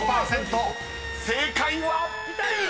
正解は⁉］